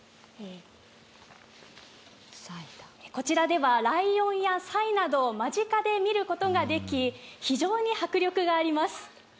こちらではライオンやサイなどを間近で見ることができ、非常に迫力があります。